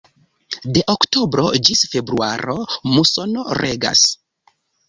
De oktobro ĝis februaro musono regas.